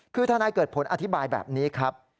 คือทนายเกิดผลอธิบายแบบนี้ครับ